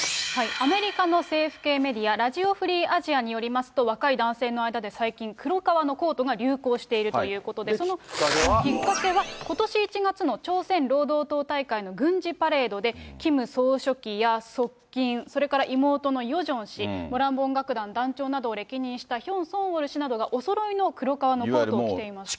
アメリカの政府系メディア、ラジオ・フリー・アジアによりますと、若い男性の間で最近、黒革のコートが流行しているということで、そのきっかけは、ことし１月の朝鮮労働党大会の軍事パレードで、キム総書記や側近、それから妹のヨジョン氏、モランボン楽団団長などを歴任したヒョン・ソンウォル氏などが、おそろいの黒革のコートを着ていました。